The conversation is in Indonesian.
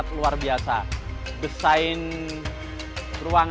dan penghubung dalam menciptakan ikatan bisnis yang berharga